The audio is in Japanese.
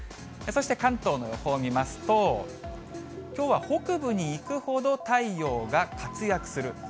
そして関東の予報を見ますと、きょうは北部にいくほど太陽が活躍する。